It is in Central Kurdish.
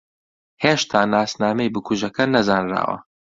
ھێشتا ناسنامەی بکوژەکە نەزانراوە.